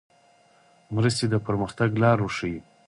مرستې د پرمختګ لار ورښیي.